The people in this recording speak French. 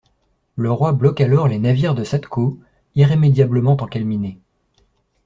Le roi bloque alors les navires de Sadko, irrémédiablement encalminés.